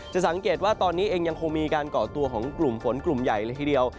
สังเกตว่าตอนนี้เองยังคงมีการก่อตัวของกลุ่มฝนกลุ่มใหญ่เลยทีเดียว